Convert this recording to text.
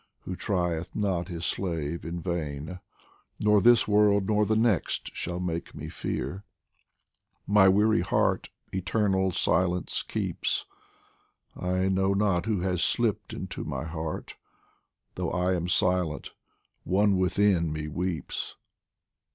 who trieth not His slave in vain ; Nor this world nor the next shall make me fear ! Si F POEMS FROM THE My weary heart eternal silence keeps I know not who has slipped into my heart ; Though I am silent, one within me weeps.